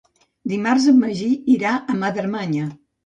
Dimarts en Magí irà a Madremanya.